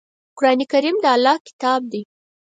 قرآن کریم د الله ﷺ کتاب دی.